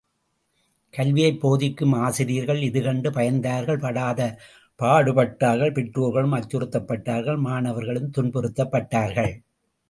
கல்வியைப் போதிக்கும் ஆசிரியர்கள் இது கண்டு பயந்தார்கள் படாதபாடு பட்டார்கள் பெற்றோர்களும் அச்சுறுத்தப்பட்டார்கள் மாணவர்களும் துன்புறுத்தப்பட்டார்கள்!